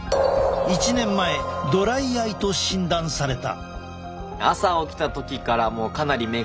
１年前ドライアイと診断された。